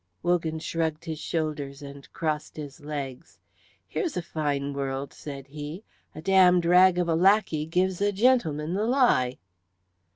Wogan shrugged his shoulders and crossed his legs. "Here's a fine world," said he. "A damned rag of a lackey gives a gentleman the lie."